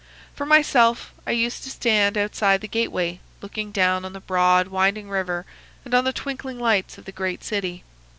For myself, I used to stand outside the gateway, looking down on the broad, winding river and on the twinkling lights of the great city.